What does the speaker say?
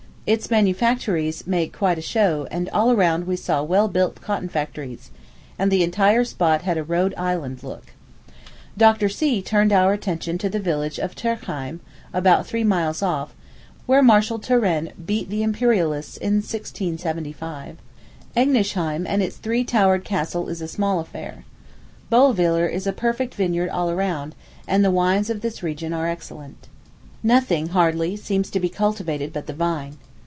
Its manufactories make quite a show, and all around we saw well built cotton factories; and the entire spot had a Rhode Island look. Dr. C. turned our attention to the village of Turckheim, about three miles off, where Marshal Turenne beat the Imperialists in 1675. Egnisheim and its three towered castle is a small affair. Bolwiller is a perfect vineyard all around, and the wines of this region are excellent. Nothing, hardly, seems to be cultivated but the vine.